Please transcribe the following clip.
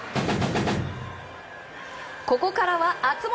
ここからは熱盛！